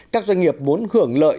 các doanh nghiệp muốn hưởng lợi